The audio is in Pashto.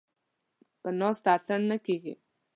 ـ په ناسته اتڼ نه کېږي.